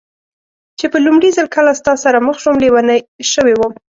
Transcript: چې په لومړي ځل کله ستا سره مخ شوم، لېونۍ شوې وم.